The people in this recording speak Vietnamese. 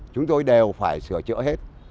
chúng tôi đều phải sửa chữa hết